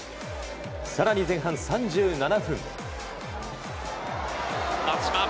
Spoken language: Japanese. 更に、前半３７分。